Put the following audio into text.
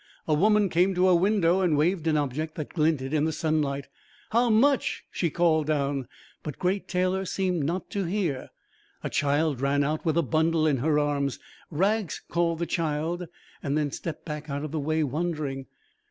A woman came to a window and waved an object that glinted in the sunlight. "How much?" she called down. But Great Taylor seemed not to hear. A child ran out with a bundle in her arms. "Rags," called the child, then stepped back out of the way, wondering.